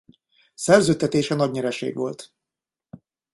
Szerződtetése nagy nyereség volt.